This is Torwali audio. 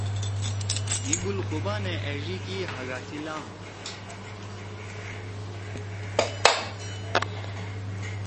مھی گُل خُوبانے أڙی کی ہاگا سی لانگ